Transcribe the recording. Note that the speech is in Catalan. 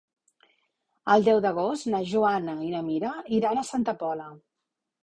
El deu d'agost na Joana i na Mira iran a Santa Pola.